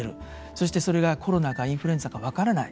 そしてそれがコロナかインフルエンザが分からない